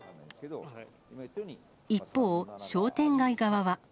一方、商店街側は。